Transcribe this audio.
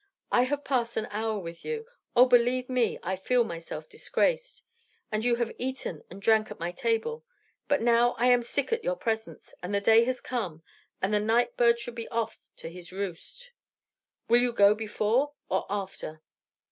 I have passed an hour with you. Oh! believe me, I feel myself disgraced! And you have eaten and drank at my table. But now I am sick at your presence; the day has come, and the night bird should be off to his roost. Will you go before, or after?"